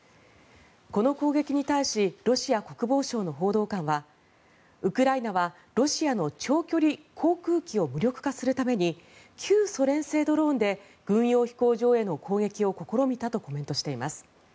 この攻撃に対しロシア国防省の報道官はウクライナはロシアの長距離航空機を無力化するために旧ソ連製ドローンで軍用飛行場への攻撃を試みたとコメントしています。